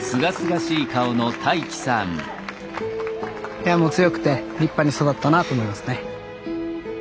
いやもう強くて立派に育ったなと思いますね。